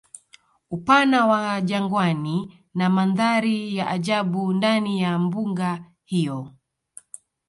Upana wa jangwani na Mandhari ya ajabu ndani ya mbuga hiyo